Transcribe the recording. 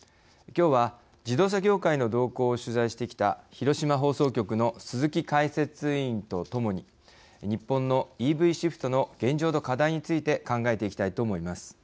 きょうは自動車業界の動向を取材してきた広島放送局の鈴木解説委員とともに日本のＥＶシフトの現状と課題について考えていきたいと思います。